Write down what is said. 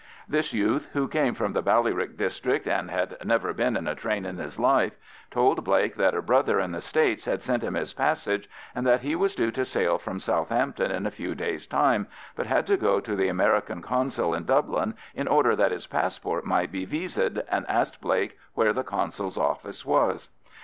This youth, who came from the Ballyrick district, and had never been in a train in his life, told Blake that a brother in the States had sent him his passage, and that he was due to sail from Southampton in a few days' time, but had to go to the American Consul in Dublin in order that his passport might be viséd, and asked Blake where the consul's office was.